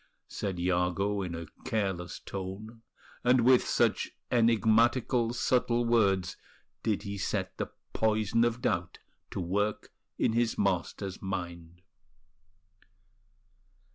said Iago, in a careless tone; and with such enigmatical, subtle words did he set the poison of doubt to work in his master's mind.